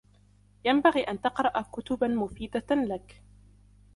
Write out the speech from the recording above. ينبغي أن تقرأ كتبا مفيدة لك.